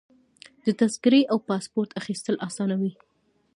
د تذکرې او پاسپورټ اخیستل اسانه وي.